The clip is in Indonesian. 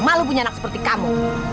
malu punya anak seperti kamu